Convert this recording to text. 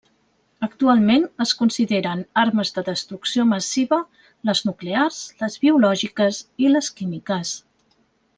Actualment, es consideren armes de destrucció massiva les nuclears, les biològiques i les químiques.